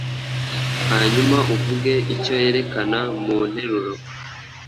hanyuma uvuge icyo yerekana mu nteruro: